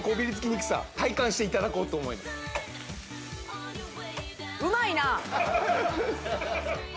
にくさ体感していただこうと思いますうまいな！